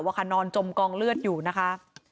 นอนจมกองเลือดอยู่นะคะ